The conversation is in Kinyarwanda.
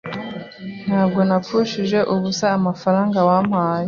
ntabwo napfushije ubusa amafaranga wampaye